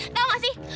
tahu gak sih